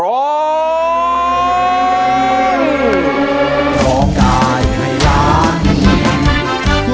ขอบใจให้รัก